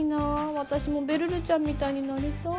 私もべるるちゃんみたいになりたい。